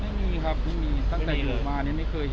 ไม่มีครับไม่มีตั้งแต่อยู่มาไม่เคยเห็นแบบนี้ครับ